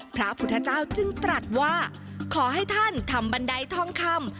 พระพุทธเจ้าจึงตรัสว่าขอให้ท่านทำบันไดทองคำ